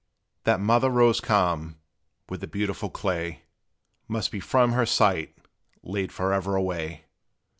That mother rose calm, when the beautiful clay Must be from her sight laid forever away!